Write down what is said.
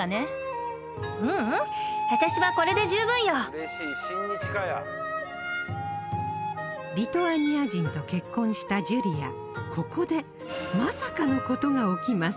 ううんリトアニア人と結婚したジュリアここでまさかのことが起きます